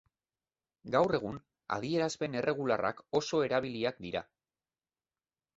Gaur egun, adierazpen erregularrak oso erabiliak dira.